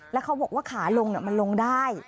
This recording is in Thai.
แล้วเขาบอกว่าขาลงมันลงได้